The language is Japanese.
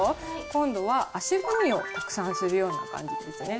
今度は足踏みをたくさんするような感じですね。